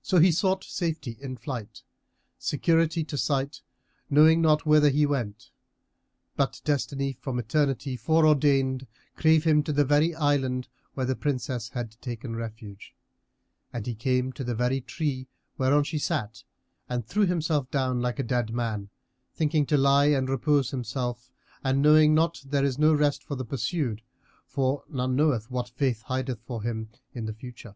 So he sought safety in flight, security to sight, knowing not whither he went; but destiny from Eternity fore ordained drave him to the very island where the Princess had taken refuge, and he came to the very tree whereon she sat and threw himself down, like a dead man, thinking to lie and repose himself and knowing not there is no rest for the pursued, for none knoweth what Fate hideth for him in the future.